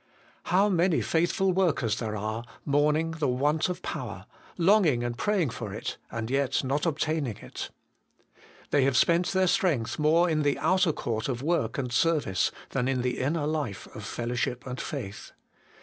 How many faithful workers there are, mourning the want of power ; longing and praying for it, and yet not obtaining it ! They have spent their strength more in the outer court of work and service, than in the inner life of fellowship and faith.